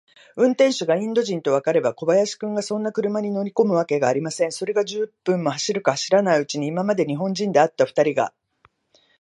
運転手がインド人とわかれば、小林君がそんな車に乗りこむわけがありません。それが、十分も走るか走らないうちに、今まで日本人であったふたりが、